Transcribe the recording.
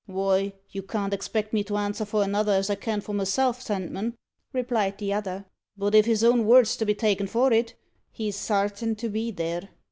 "Why, you can't expect me to answer for another as I can for myself, Sandman," replied the other; "but if his own word's to be taken for it, he's sartin to be there.